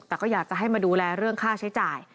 แต่ก็อยากจะให้มาดูแลเรื่องค่าใช้จ่าย